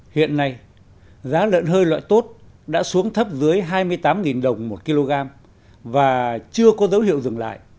hiện nay giá lợn hơi loại tốt đã xuống thấp dưới hai mươi tám đồng một kg và chưa có dấu hiệu dừng lại